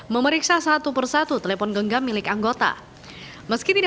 memeriksa satu persatu telepon genggamnya